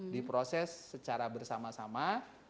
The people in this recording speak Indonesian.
diproses secara bersama sama